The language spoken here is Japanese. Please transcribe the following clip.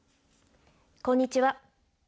こんにちは。